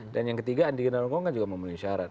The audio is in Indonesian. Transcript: dan yang ketiga andi narogong kan juga memenuhi syarat